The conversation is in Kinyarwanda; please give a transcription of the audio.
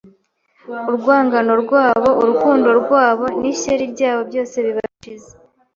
Urwangano rwabo, urukundo rwabo, n'ishyari ryabo byose biba bishize.